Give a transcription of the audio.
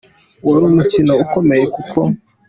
Wari umukino ukomeye kuko